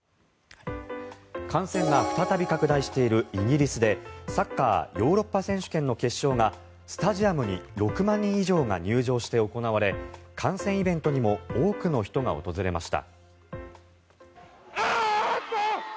感染が再び拡大しているイギリスでサッカー、ヨーロッパ選手権の決勝がスタジアムに６万人以上が入場して行われ観戦イベントにも多くの人が訪れました。